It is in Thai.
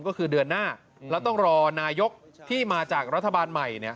ก็คือเดือนหน้าแล้วต้องรอนายกที่มาจากรัฐบาลใหม่